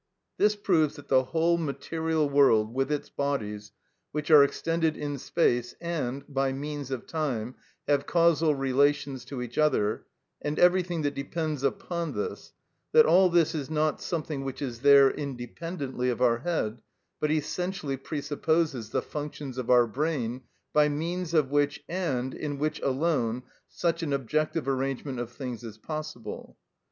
This proves that the whole material world, with its bodies, which are extended in space and, by means of time, have causal relations to each other, and everything that depends upon this—that all this is not something which is there independently of our head, but essentially presupposes the functions of our brain by means of which and in which alone such an objective arrangement of things is possible.